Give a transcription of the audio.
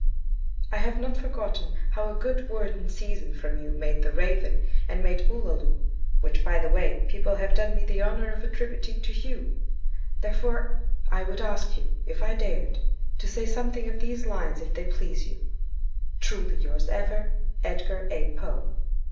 "I have not forgotten how a 'good word in season' from you made 'The Raven,' and made 'Ulalume' (which by the way, people have done me the honor of attributing to you), therefore, I would ask you (if I dared) to say something of these lines if they please you. "Truly yours ever, "EDGAR A. POE."